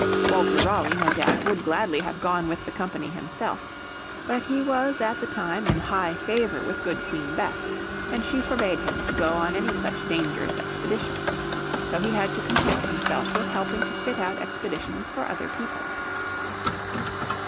Walter Raleigh, no doubt, would gladly have gone with the company himself. But he was at the time in high favour with Good Queen Bess, and she forbade him to go on any such dangerous expedition. So he had to content himself with helping to fit out expeditions for other people.